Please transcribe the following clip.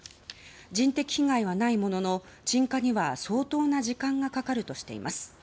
人的被害はないものの鎮火には相当な時間がかかるとしています。